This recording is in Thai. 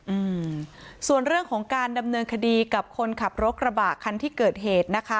อืมส่วนเรื่องของการดำเนินคดีกับคนขับรถกระบะคันที่เกิดเหตุนะคะ